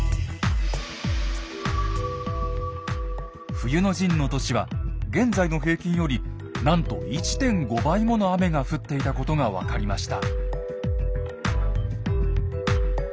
冬の陣の年は現在の平均よりなんと１．５倍もの雨が降っていたことが分かりました。